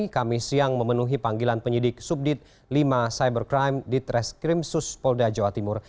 kami siang memenuhi panggilan penyidik subdit lima cybercrime di treskrim suspolda jawa timur